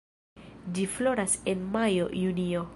Ĝi floras en majo-junio.